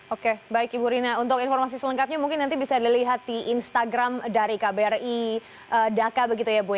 oke baik ibu rina untuk informasi selengkapnya mungkin nanti bisa dilihat di instagram dari kbri dhaka begitu ya bu ya